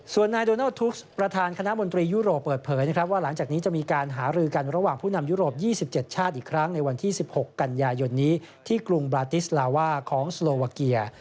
ส่วนนายโดนัลดทุกข์ประธานคณะมนตรียุโรปเปิดเผยนะครับว่าหลังจากนี้จะมีการหารือกันระหว่างผู้นำยุโรป๒๗ชาติอีกครั้งในวันที่๑๖กันยายนนี้ที่กรุงบราติสลาว่าของสโลวาเกีย